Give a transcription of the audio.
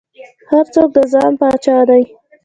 هر څوک د ځان پاچا دى.